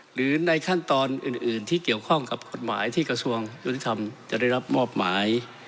หรือในขั้นตอนอื่นที่เกี่ยวข้องกับกฎหมายที่กระทรวงยุติธรรมจะได้รับมอบหมาย